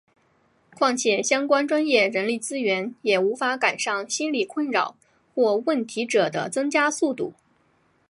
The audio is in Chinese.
况且相关专业人力资源也无法赶上心理困扰或问题者的增加速度。